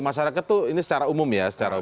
masyarakat itu ini secara umum ya secara